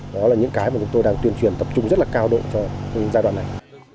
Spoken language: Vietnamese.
đó là những cái mà chúng tôi đang tuyên truyền tập trung rất là cao đội cho giai đoạn này